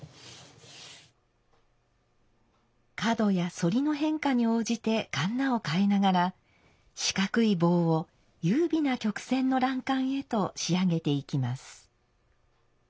角や反りの変化に応じてかんなを替えながら四角い棒を優美な曲線の欄干へと仕上げていきます。